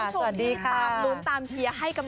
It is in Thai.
สวัสดีค่ะสวัสดีค่ะ